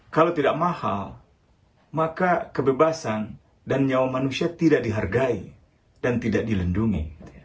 kalau tidak mahal maka kebebasan dan nyawa manusia tidak dihargai dan tidak dilindungi